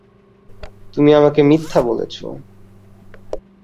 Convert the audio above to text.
তুমি আমাকে মিথ্যা বলেছ।